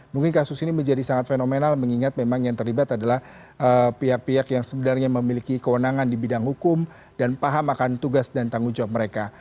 mungkin kasus ini menjadi sangat fenomenal mengingat memang yang terlibat adalah pihak pihak yang sebenarnya memiliki kewenangan di bidang hukum dan paham akan tugas dan tanggung jawab mereka